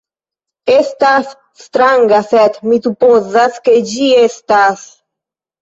Estas stranga, sed mi supozas ke ĝi estas...